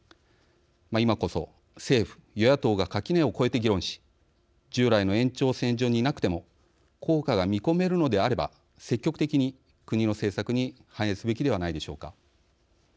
今こそ政府、与野党が垣根を越えて議論し従来の延長線上にいなくても効果が見込めるのであれば積極的に国の政策に反映すべきではないでしょうか。